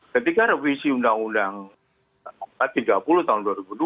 ketika revisi undang undang tiga puluh tahun dua ribu dua